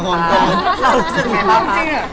รู้จักไหมครับ